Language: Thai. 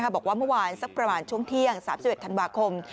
บอกว่าเมื่อวานสักประมาณช่วงเที่ยง๓๑ธันวาคม